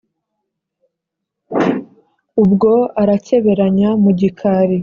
ubwo arakeberanya mu gikali,